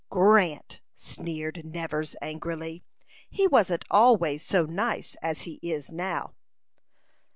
"Grant!" sneered Nevers, angrily. "He wasn't always so nice as he is now."